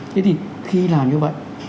thế thì khi làm như vậy